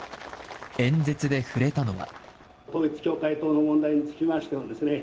演説で触れたのは。